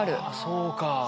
あそうか。